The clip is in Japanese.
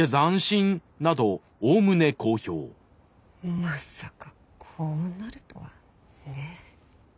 まさかこうなるとはね。